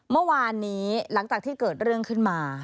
เมื่อวานนี้หลังจากที่เกิดเรื่องขึ้นมา